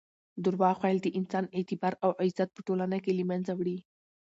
درواغ ویل د انسان اعتبار او عزت په ټولنه کې له منځه وړي.